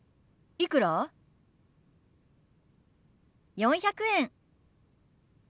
４００円。